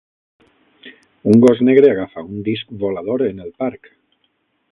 Un gos negre agafa un disc volador en el parc.